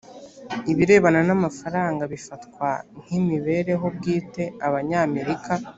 ibirebana n amafaranga bifatwa nk imibereho bwite abanyamerika